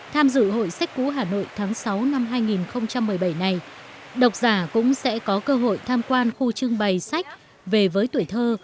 tham dự hội sách cũ hà nội tháng sáu năm hai nghìn một mươi bảy này đọc giả cũng sẽ có cơ hội tham quan khu trưng bày sách về với tuổi thơ